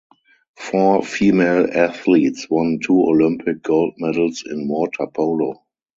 Four female athletes won two Olympic gold medals in water polo.